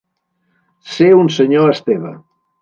Ser un senyor Esteve.